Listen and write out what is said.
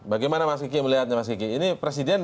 bagaimana mas kiki melihatnya ini presiden